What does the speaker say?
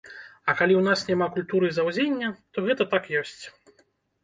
Але калі ў нас няма культуры заўзення, то гэта так ёсць.